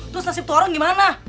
terus nasib tuh orang gimana